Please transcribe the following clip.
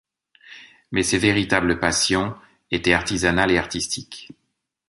Mais ses véritables passions étaient artisanales et artistiques.